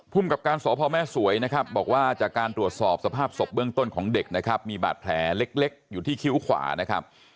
กับการสพแม่สวยนะครับบอกว่าจากการตรวจสอบสภาพศพเบื้องต้นของเด็กนะครับมีบาดแผลเล็กอยู่ที่คิ้วขวานะครับ